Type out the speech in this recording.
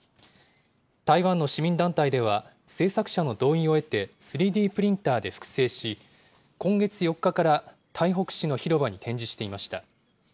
台湾の市民団体では、制作者の同意を得て３Ｄプリンターで複製し、今月４日から台北市の広場に展示していました。